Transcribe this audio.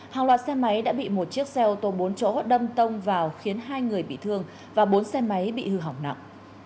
hàng loạt xe máy đã bị một chiếc xe ô tô bốn chỗ đâm tông vào khiến hai người bị thương và bốn xe máy bị hư hỏng nặng